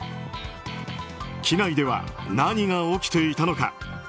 機内では何が起きていたのか。